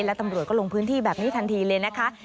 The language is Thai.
และตำรวจก็ลงพื้นที่แบบนี้ทันทีเลยนะคะ